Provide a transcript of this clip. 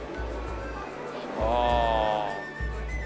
ああ。